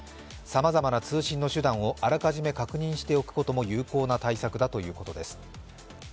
さまざまな通信の手段をあらかじめ確認しておくことも有効な対策だということです。